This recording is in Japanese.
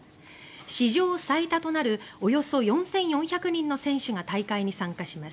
史上最多となるおよそ４４００人の選手が大会に参加します。